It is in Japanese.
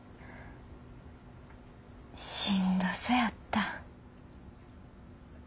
しんどそやった。